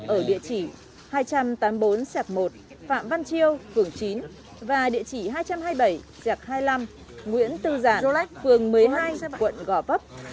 ở địa chỉ hai trăm tám mươi bốn một phạm văn chiêu phường chín và địa chỉ hai trăm hai mươi bảy hai mươi năm nguyễn tư giản phường một mươi hai quận gò vấp